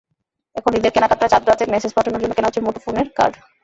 এখন ঈদের কেনাকাটায় চাঁদরাতে মেসেজ পাঠানোর জন্য কেনা হচ্ছে মুঠোফোনের কার্ড।